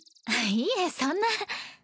いえそんな。